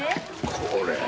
これ。